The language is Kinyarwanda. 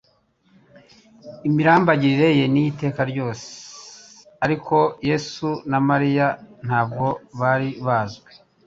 imirambagirire ye ni iy'iteka ryose." ArikoYosefu na Mariya ntabwo bari bazwi,